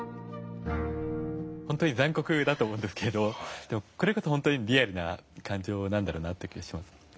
本当に残酷だと思うんですけれどもこれこそリアルな感情なんだろうなという気もします。